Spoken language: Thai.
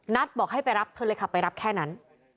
บอกให้ไปรับเธอเลยขับไปรับแค่นั้น